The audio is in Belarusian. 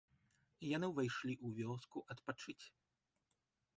Яны ўвайшлі ў вёску адпачыць.